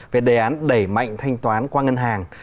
về đề án đẩy mạnh thanh toán qua ngân hàng